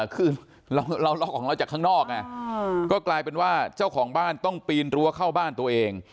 คือเราล็อกของเราจากข้างนอกไงก็กลายเป็นว่าเจ้าของบ้านต้องปีนรั้วเข้าบ้านตัวเอง